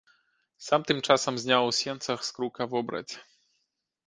Сам тым часам зняў у сенцах з крука вобраць.